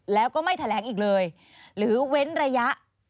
แล้วก็ไม่แถลงอีกเลยหรือเว้นระยะ